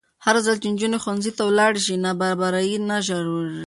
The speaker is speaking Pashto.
هرځل چې نجونې ښوونځي ته ولاړې شي، نابرابري نه ژورېږي.